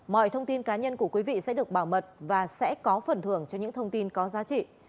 mọi thông tin cá nhân của quý vị sẽ được bảo mật và sẽ có phần thưởng cho những thông tin có giá trị